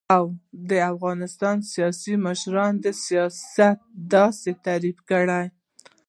و : د افغانستان سیاسی مشران سیاست داسی تعریف کړی